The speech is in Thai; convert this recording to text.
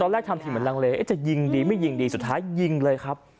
แรกทำทีเหมือนลังเลจะยิงดีไม่ยิงดีสุดท้ายยิงเลยครับ